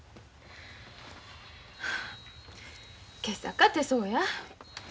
今朝かてそうや。